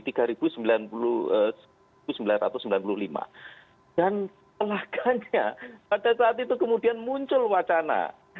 dan alahkannya pada saat itu kemudian muncul wacana